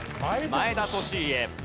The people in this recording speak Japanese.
前田利家。